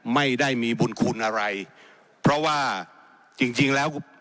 ไม่ได้มีบุญคุณอะไรเพราะว่าจริงจริงแล้ว